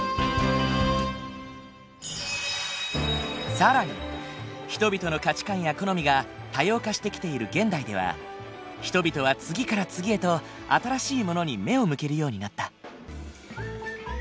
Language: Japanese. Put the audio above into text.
更に人々の価値観や好みが多様化してきている現代では人々は次から次へと新しいものに目を向けるようになった。